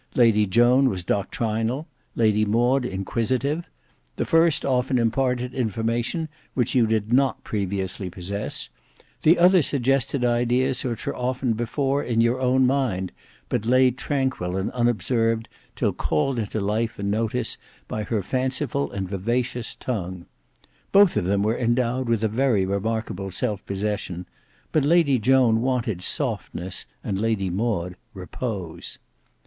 Lady Joan was doctrinal; Lady Maud inquisitive: the first often imparted information which you did not previously possess; the other suggested ideas which were often before in your own mind, but lay tranquil and unobserved, till called into life and notice by her fanciful and vivacious tongue. Both of them were endowed with a very remarkable self possession; but Lady Joan wanted softness, and Lady Maud repose.